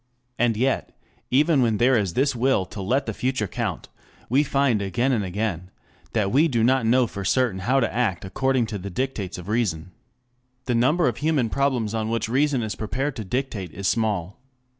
And yet, even when there is this will to let the future count, we find again and again that we do not know for certain how to act according to the dictates of reason. The number of human problems on which reason is prepared to dictate is small.